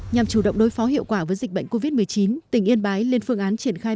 nhằm chủ động đối phó hiệu quả với dịch bệnh covid một mươi chín tỉnh yên bái lên phương án triển khai